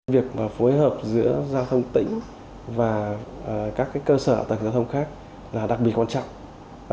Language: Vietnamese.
việc phối hợp giữa giao thông tỉnh và các cơ sở tầng giao thông khác là đặc biệt quan trọng